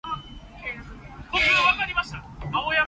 核桃丸子湯